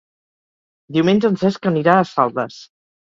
Diumenge en Cesc anirà a Saldes.